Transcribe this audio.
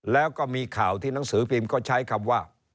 แล้วก็มีข่าวที่หนังสือพิมพ์ก็ใช้คำว่า